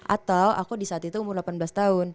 atau aku disaat itu umur delapan belas tahun